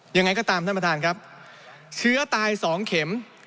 ยังไงก็ตามท่านประธานครับเชื้อตายสองเข็ม